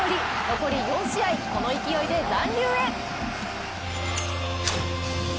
残り４試合、この勢いで残留へ。